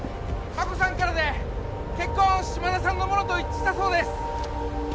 真子さんからで血痕島田さんのものと一致したそうです！